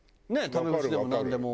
タメ口でもなんでも。